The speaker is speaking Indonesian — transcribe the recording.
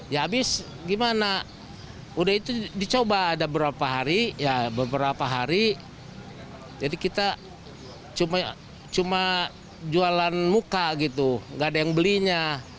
ya habis gimana udah itu dicoba ada berapa hari ya beberapa hari jadi kita cuma jualan muka gitu gak ada yang belinya